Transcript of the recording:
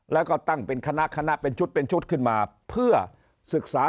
แล้วก็ตั้งเป็นคณะคณะเป็นชุดเป็นชุดขึ้นมาเพื่อศึกษา